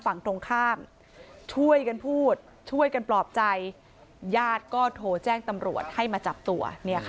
ฝั่งตรงข้ามช่วยกันพูดช่วยกันปลอบใจญาติก็โทรแจ้งตำรวจให้มาจับตัว